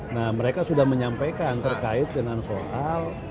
nah mereka sudah menyampaikan terkait dengan soal